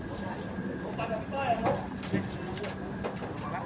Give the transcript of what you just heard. พี่สุนัยคิดถึงลูกไหมครับ